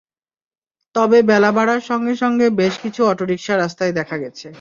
তবে বেলা বাড়ার সঙ্গে সঙ্গে বেশ কিছু অটোরিকশা রাস্তায় দেখা গেছে।